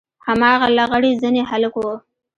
هماغه لغړ زنى هلک و.